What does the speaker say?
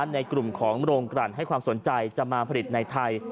ในกลุ่มของโรงกลั่นให้ความสนใจจะมาผลิตในไทย